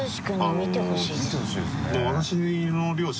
見てほしいですね。